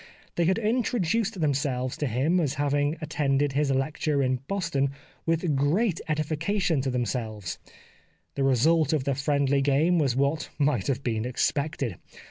They had intro duced themselves to him as having attended his lecture in Boston with great edification to them selves. The result of the friendly game was what might have been expected.